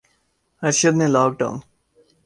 ارشد نے lock down